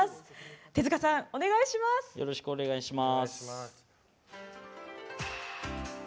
手塚さん、お願いします。